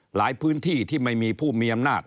พื้นที่ที่ไม่มีผู้มีอำนาจ